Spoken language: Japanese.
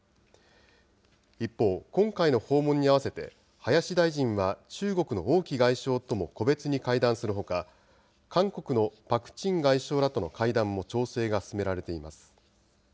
一方、今回の訪問に合わせて、林大臣は中国の王毅外相とも個別に会談するほか、韓国のパク・チン外相らとの会談も調整が進められています。